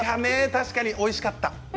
確かに、おいしかった。